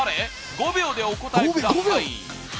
５秒でお答えください